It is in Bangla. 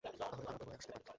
তাহলে তারা পুনরায় আসতে পারে।